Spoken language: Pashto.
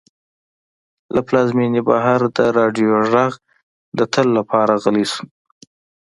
له پلازمېنې بهر د راډیو غږ د تل لپاره غلی شو.